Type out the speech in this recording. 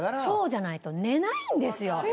そうじゃないと寝ないんです